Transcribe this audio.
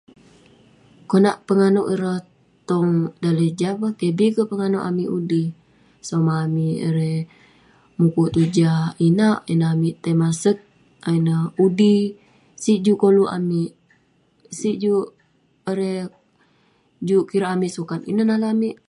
Konak penganouk ireh tong daleh jah peh, keh bi kek penganouk amik udi. Somah amik erei mukuk tong jah inak, ineh amik tai maseg awu ineh, udi. Sik koluk amik sik juk erei juk kirak amik sukat, ineh nale' amik.